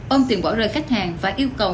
ôm tiền bỏ rơi khách hàng và yêu cầu